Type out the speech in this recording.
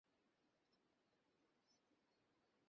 তাঁরা এখানে এসে নানা অসুবিধা মোকাবিলা করছেন।